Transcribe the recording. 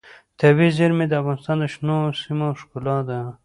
طبیعي زیرمې د افغانستان د شنو سیمو ښکلا ده.